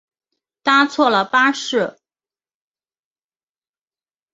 搭错了巴士